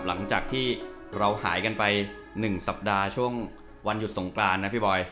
หลังจากที่เราหายกันไป๑สัปดาห์ช่วงวันหยุดสงกรานนะพี่บอย